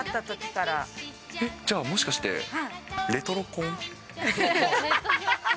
じゃあもしかして、レトロ婚。